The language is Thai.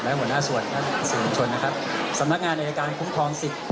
และหัวหน้าส่วนท่านสื่อมวลชนนะครับสำนักงานอายการคุ้มครองสิทธิ์